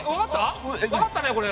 わかったねこれ。